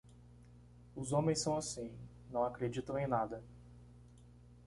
Os homens são assim, não acreditam em nada.